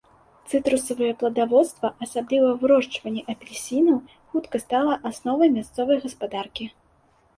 Цытрусавыя пладаводства, асабліва вырошчванне апельсінаў, хутка стала асновай мясцовай гаспадаркі.